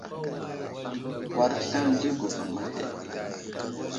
War aslane di guvam ahe.